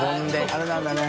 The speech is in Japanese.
あれなんだね。